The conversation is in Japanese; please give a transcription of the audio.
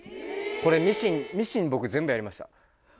これミシン僕全部やりました。